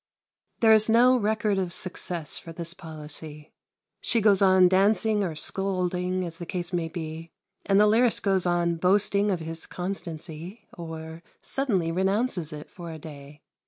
There is no record of success for this policy. She goes on dancing or scolding, as the case may be, and the lyrist goes on boasting of his constancy, or suddenly renounces it for a day.